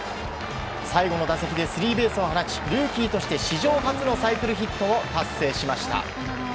最後の打席でスリーベースを放ちルーキーとして史上初のサイクルヒットを達成しました。